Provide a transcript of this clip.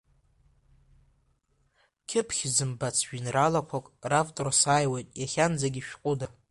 Кьыԥхь зымбац жәеинраалақәак равтор сааиуеит иахьанӡагьы шәҟәыда.